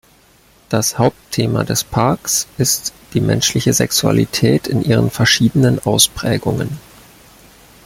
Das Hauptthema des Parks ist die menschliche Sexualität in ihren verschiedenen Ausprägungen.